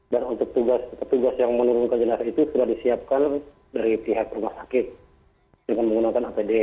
dan untuk tugas tugas yang menurunkan jenazah itu sudah disiapkan dari pihak rumah sakit dengan menggunakan apd